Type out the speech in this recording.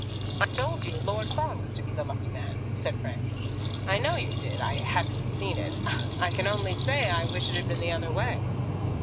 "I told you Lord Fawn was to be the lucky man," said Frank. "I know you did. I hadn't seen it. I can only say I wish it had been the other way."